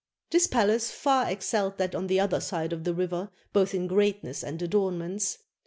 This palace far excelled that on the other side of the river both in greatness and adornments.